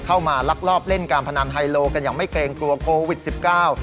ลักลอบเล่นการพนันไฮโลกันอย่างไม่เกรงกลัวโควิดสิบเก้า